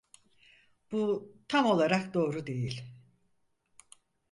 Bu tam olarak doğru değil.